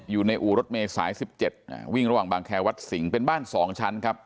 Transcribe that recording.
อยู่ในอู่รถเมย์สาย๑๗วิ่งระหว่างบางแคร์วัดสิงห์เป็นบ้าน๒ชั้นครับ